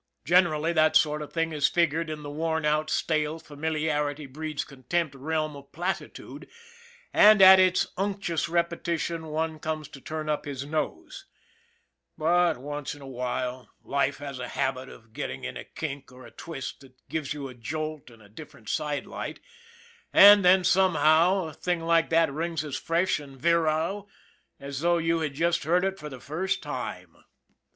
Generally, that sort of thing is figured in the worn out, stale, familiarity breeds con tempt realm of platitude, and at its unctuous repetition one comes to turn up his nose ; but, once in a while, life has a habit of getting in a kink or a twist that gives you a jolt and a different side light, and then, somehow, a thing like that rings as fresh and virile as though you had just heard it for the first time.